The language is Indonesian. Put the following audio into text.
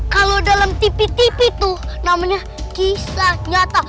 kalau dalam tipi tipi tuh namanya kisah nyata